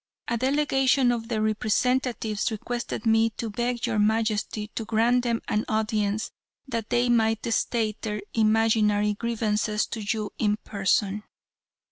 A delegation of their representatives requested me to beg your majesty to grant them an audience that they might state their imaginary grievances to you in person."